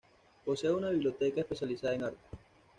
Posee una biblioteca especializada en arte.